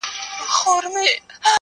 • اه څه نا پوه وم څه ساده دي کړمه,